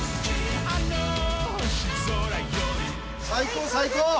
最高最高！